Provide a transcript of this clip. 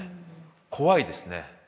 怖いですね。